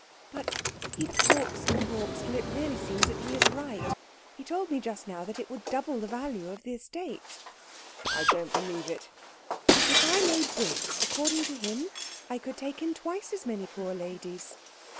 "But he talks and talks till it really seems that he is right. He told me just now that it would double the value of the estate." "I don't believe it." "If I made bricks, according to him I could take in twice as many poor ladies."